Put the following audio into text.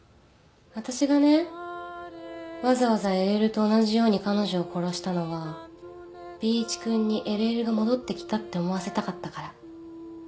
私がねわざわざ ＬＬ と同じように彼女を殺したのは Ｂ 一君に ＬＬ が戻ってきたって思わせたかったから